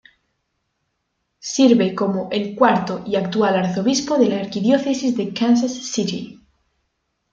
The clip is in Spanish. Sirve como el cuarto y actual Arzobispo de la Arquidiócesis de Kansas City.